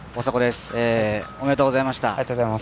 おめでとうございます。